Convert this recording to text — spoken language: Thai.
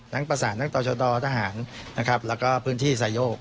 ทั้งประสานทั้งต่อช่วงต่อทหารนะครับแล้วก็พื้นที่สายโยก